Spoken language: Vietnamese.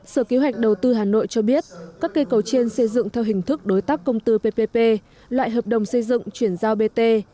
sở kế hoạch đầu tư hà nội cho biết các cây cầu trên xây dựng theo hình thức đối tác công tư ppp loại hợp đồng xây dựng chuyển giao bt